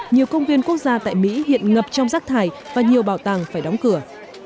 nhiều công viên quốc gia tại mỹ hiện ngập trong rác thải và nhiều bảo tàng phải đóng cửa